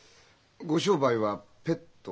ご商売はペット？